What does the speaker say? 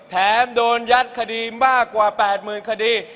แถมโดนยัดคดีมากกว่า๘๐๐๐คดี